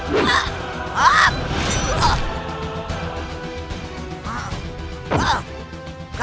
tidak ada yang bisa menangkapku